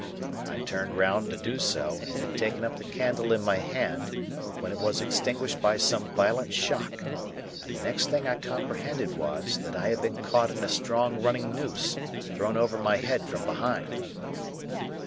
I turned round to do so, and had taken up the candle in my hand, when it was extinguished by some violent shock; and the next thing I comprehended was, that I had been caught in a strong running noose, thrown over my head from behind.